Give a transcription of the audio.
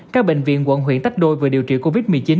các bệnh viện quận huyện tách đôi vừa điều trị covid một mươi chín